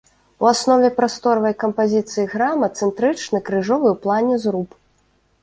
У аснове прасторавай кампазіцыі храма цэнтрычны крыжовы ў плане зруб.